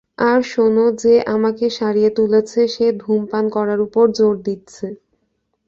আর শোন, যে আমাকে সাড়িয়ে তুলেছে, সে ধূমপান করার উপর জোর দিচ্ছে।